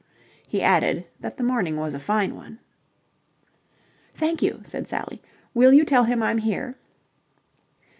He added that the morning was a fine one. "Thank you," said Sally. "Will you tell him I'm here."